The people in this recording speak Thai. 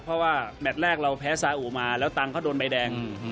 เพราะว่าแมทแรกเราแพ้สาอุมาแล้วตังค์เขาโดนใบแดง